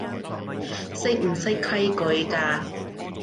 識唔識規矩㗎